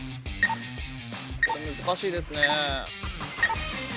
これ難しいですね。